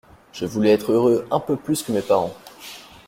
Je voulais être heureux un peu plus que mes parents.